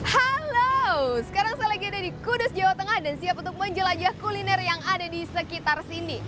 halo sekarang saya lagi ada di kudus jawa tengah dan siap untuk menjelajah kuliner yang ada di sekitar sini